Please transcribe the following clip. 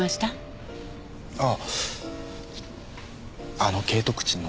あの景徳鎮の男